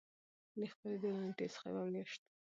د خپرېدو له نېټې څخـه یـوه میاشـت